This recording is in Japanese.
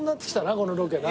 このロケな。